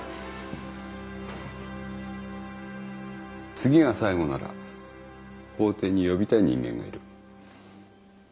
次が最後なら法廷に呼びたい人間がいる。